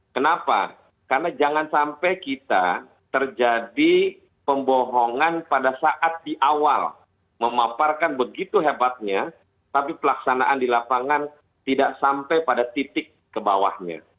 kenapa karena jangan sampai kita terjadi pembohongan pada saat di awal memaparkan begitu hebatnya tapi pelaksanaan di lapangan tidak sampai pada titik ke bawahnya